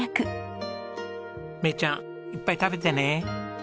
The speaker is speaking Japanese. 芽以ちゃんいっぱい食べてね。